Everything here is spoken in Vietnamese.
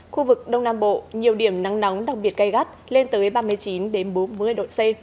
khu vực đông nam bộ nhiều điểm nắng nóng đặc biệt gây gắt lên tới ba mươi chín bốn mươi độ c